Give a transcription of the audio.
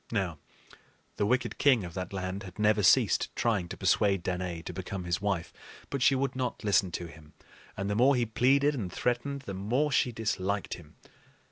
Now, the wicked king of that land had never ceased trying to persuade Danaë to become his wife; but she would not listen to him, and the more he pleaded and threatened, the more she disliked him.